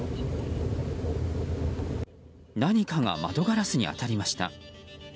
何かが窓ガラスに当たりました。